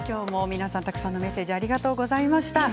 皆さん、たくさんのメッセージありがとうございました。